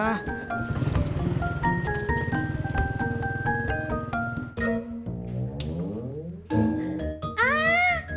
ah akhirnya ketemu juga